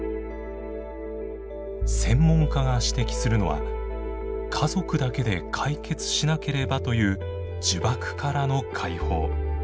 専門家が指摘するのは「家族だけで解決しなければ」という呪縛からの解放。